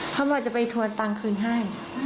เขาบอกจะไปทวนตังค์คืนให้